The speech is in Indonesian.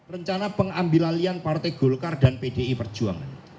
rencana pengambil alian partai golkar dan pdi perjuangan